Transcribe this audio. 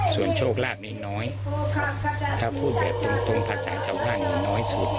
ส่วนโชคลาภนี้น้อยถ้าพูดแบบตรงภาษาชาวบ้านน้อยสุด